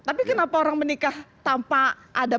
tapi kenapa orang menikah tanpa ada